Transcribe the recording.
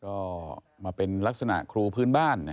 ก็มาเป็นลักษณะครูพื้นบ้าน